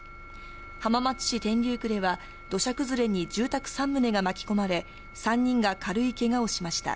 浜松市天竜区では、土砂崩れに住宅３棟が巻き込まれ、３人が軽いけがをしました。